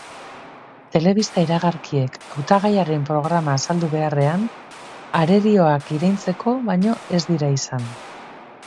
Telebista iragarkiek hautagaiaren programa azaldu beharrean, arerioak iraintzeko baino ez dira izan.